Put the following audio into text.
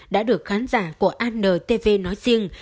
đã được khán giả của antv nói riêng